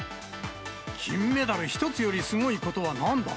金メダル１つよりすごいことはなんだ。